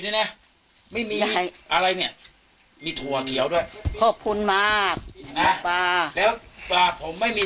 ด้วยนะไม่มีอะไรเนี้ยมีถั่วเขียวด้วยโภคคุณมากนะแล้วป่าผมไม่มี